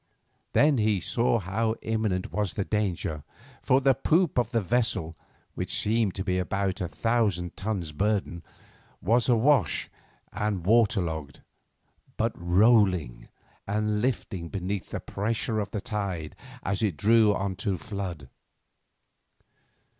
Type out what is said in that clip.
Then he saw how imminent was the danger, for the poop of the vessel, which seemed to be of about a thousand tons burden, was awash and water logged, but rolling and lifting beneath the pressure of the tide as it drew on to flood.